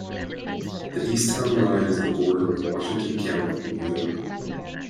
The east town line is the border of Washington County, New York.